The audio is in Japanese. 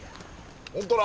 本当だ。